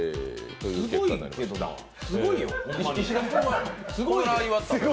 すごい、すごいよ。